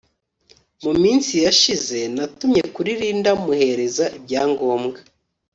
mu minsi yashize natumye kuri Linda muhereza ibyangombwa